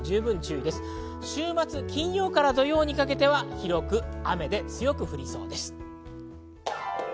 週末金曜から土曜にかけては広く雨で強く降りそうです。